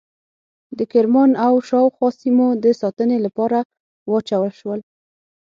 د کرمان او شاوخوا سیمو د ساتنې لپاره واچول شول.